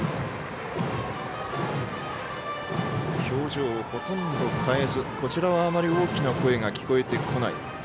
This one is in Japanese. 表情をほとんど変えずこちらはあまり大きな声が聞こえてこない。